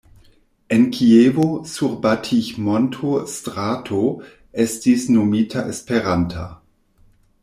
En Kievo, sur Batij-monto strato estis nomita Esperanta.